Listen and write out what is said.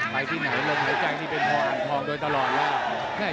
ไปที่ไหนลมหายใจนี่เป็นพออ่างทองโดยตลอดแล้ว